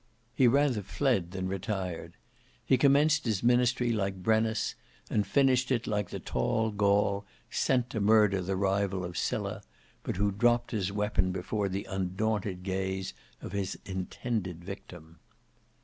He rather fled than retired. He commenced his ministry like Brennus, and finished it like the tall Gaul sent to murder the rival of Sylla, but who dropped his weapon before the undaunted gaze of his intended victim.